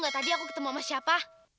gak tadi aku ketemu sama siapa